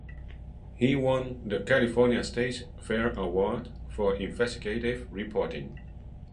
He won the California State Fair award for investigative reporting.